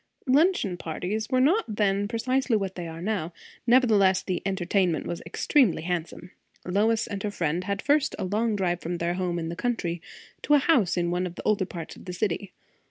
Luncheon parties were not then precisely what they are now; nevertheless the entertainment was extremely handsome. Lois and her friend had first a long drive from their home in the country to a house in one of the older parts of the city.